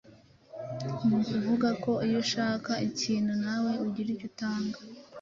Ni ukuvuga ko iyo ushaka ikintu nawe ugira icyo utanga.